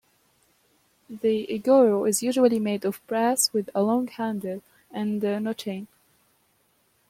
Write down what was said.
The egōro is usually made of brass with a long handle and no chain.